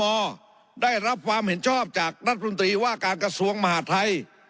โครงการของกอธมมอธได้รับความเห็นชอบจากรัฐมนตรีว่าการกระทรวงมหาดไทย